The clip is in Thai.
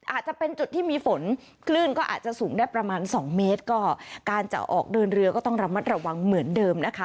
อาจจะเป็นจุดที่มีฝนคลื่นก็อาจจะสูงได้ประมาณสองเมตรก็การจะออกเดินเรือก็ต้องระมัดระวังเหมือนเดิมนะคะ